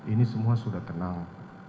ini semua sudah tenang